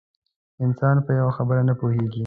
انسان په یوه خبره نه پوهېږي.